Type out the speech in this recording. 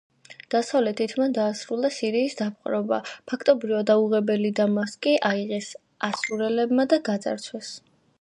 დასავლეთით მან დაასრულა სირიის დაპყრობა, ფაქტობრივად აუღებელი დამასკი აიღეს ასურელებმა და გაძარცვეს.